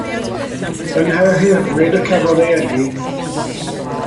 Yng Nghaerhirfryn y cafodd ei eni.